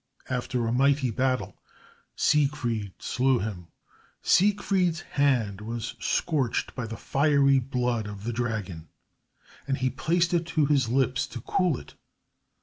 After a mighty battle, Siegfried slew him. Siegfried's hand was scorched by the fiery blood of the dragon, and he placed it to his lips to cool it.